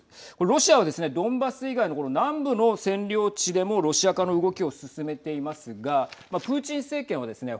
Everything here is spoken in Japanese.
ロシアはですね、ドンバス以外の南部の占領地でもロシア化の動きを進めていますがプーチン政権はですね